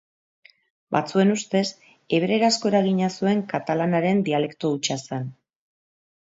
Batzuen ustez, hebreerazko eragina zuen katalanaren dialekto hutsa zen.